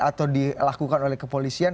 atau dilakukan oleh kepolisian